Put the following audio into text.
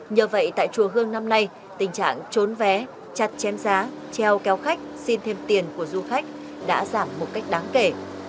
nhờ vậy tại chùa hương năm nay tình trạng trốn vé chặt chém giá treo kéo khách xin thêm tiền của du khách đã giảm một cách đáng kể